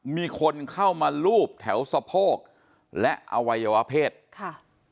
มีคนเข้ามาลูบแถวสะโพกและอวัยวะเพศค่ะ